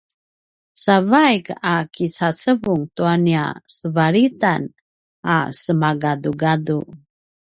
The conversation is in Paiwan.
sa vaik a kicacevungan tua nia sevalitan a semagadugadu